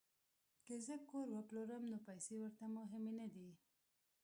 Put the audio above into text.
که زه کور وپلورم نو پیسې ورته مهمې نه دي